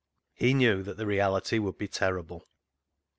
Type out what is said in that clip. He knew that the reality would be terrible.